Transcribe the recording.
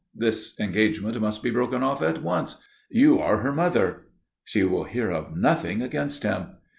_ This engagement must be broken off. At once! You are her mother." "She will hear of nothing against him."